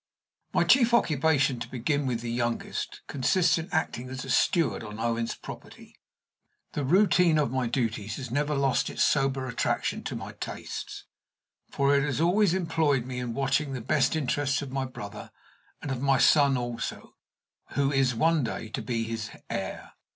My chief occupation, to begin with the youngest, consists, in acting as steward on Owen's property. The routine of my duties has never lost its sober attraction to my tastes, for it has always employed me in watching the best interests of my brother, and of my son also, who is one day to be his heir.